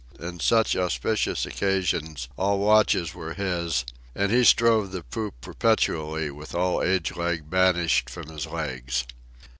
In such auspicious occasions all watches were his, and he strode the poop perpetually with all age lag banished from his legs.